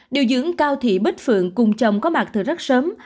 điều dưỡng cao thị bích phượng cùng chồng có mặt từ rất sớm